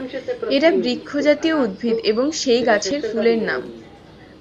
এরা বৃক্ষ জাতীয় উদ্ভিদ এবং সেই গাছের ফুলের নাম।